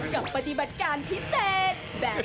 กับปฏิบัติการพิเศษ